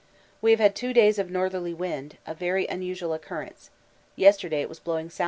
We have had two days of northerly wind, a very unusual occurrence; yesterday it was blowing S.E.